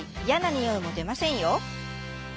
においも出ませんよ。